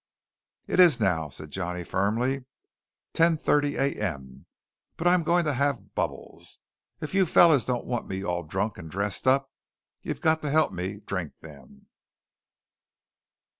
"It is now," said Johnny firmly, "10:30 A.M., but I'm going to have bubbles. If you fellows don't want me all drunk and dressed up, you've got to help me drink them."